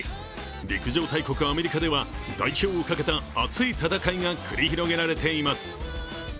陸上大国アメリカでは、代表をかけた熱い戦いが繰り広げられています。